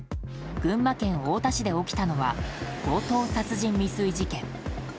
群馬県太田市で起きたのは強盗殺人未遂事件。